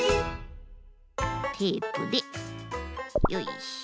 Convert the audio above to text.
テープでよいしょ。